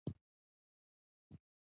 د موسیقي زده کړه د شناخت لپاره مهمه ده.